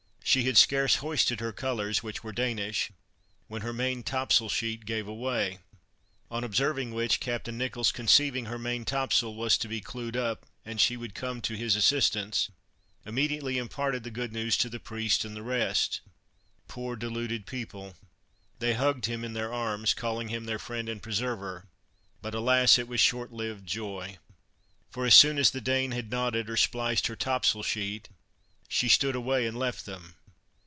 She had scarce hoisted her colors, which were Danish, when her main topsail sheet gave way; on observing which, Captain Nicholls conceiving her main topsail was to be clewed up, and she would come to his assistance, immediately imparted the good news to the priest and the rest. Poor deluded people, they hugged him in their arms, calling him their friend and preserver; but, alas! it was short lived joy, for as soon as the Dane had knotted, or spliced her topsail sheet, she stood away, and left them.